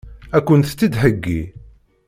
Ad kent-tt-id-theggi?